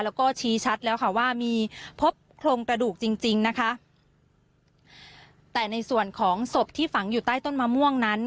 แล้วก็ชี้ชัดแล้วค่ะว่ามีพบโครงกระดูกจริงจริงนะคะแต่ในส่วนของศพที่ฝังอยู่ใต้ต้นมะม่วงนั้น